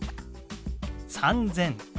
３０００。